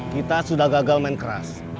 kita sudah gagal main keras